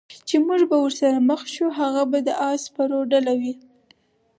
چې موږ به ورسره مخ شو، هغه به د اس سپرو ډله وي.